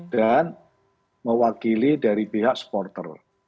dan mewakili dari pihak supporter